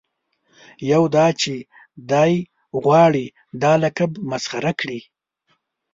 یو دا چې دای غواړي دا لقب مسخره کړي.